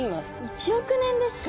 １億年ですか！